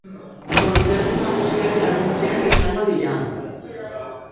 Kontzertu nagusiak larunbatean izango dira.